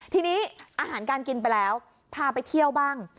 ทีนี้อาหารการกินไปแล้วพาไปเที่ยวบ้าง